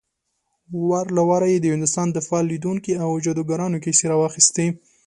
وار له واره يې د هندوستان د فال ليدونکو او جادوګرانو کيسې راواخيستې.